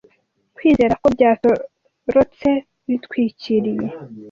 kwizera ko byatorotse bitwikiriye